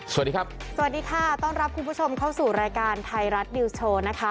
สวัสดีครับสวัสดีค่ะต้อนรับคุณผู้ชมเข้าสู่รายการไทยรัฐนิวส์โชว์นะคะ